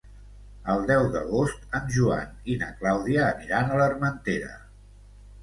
El deu d'agost en Joan i na Clàudia aniran a l'Armentera.